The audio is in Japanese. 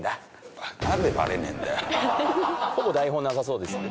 ほぼ台本なさそうですね。